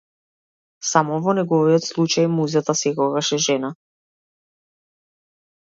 Само во неговиот случај музата секогаш е жена.